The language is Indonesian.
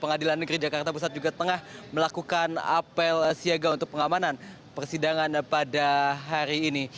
pengadilan negeri jakarta pusat juga tengah melakukan apel siaga untuk pengamanan persidangan pada hari ini